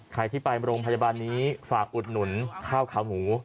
ใครที่ไปโรงพยาบาลนี้ฝากอุดหนุนข้าวขาหมู